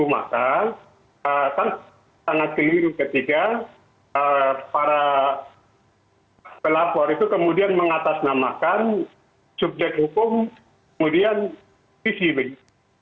maka sangat keingin ketiga para pelapor itu kemudian mengatasnamakan subjek hukum kemudian visi begitu